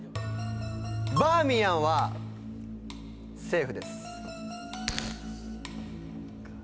バーミヤンはセーフです。